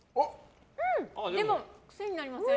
でも癖になりません？